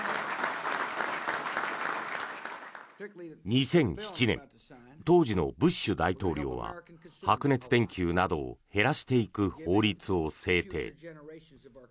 ２００７年当時のブッシュ大統領は白熱電球などを減らしていく法律を制定。